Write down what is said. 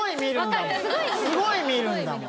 すごい見るんだもん。